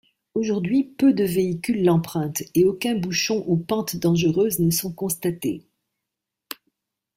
Aujourd'hui, peu de véhicules l'empruntent et aucun bouchon ou pente dangereuse ne sont constatés.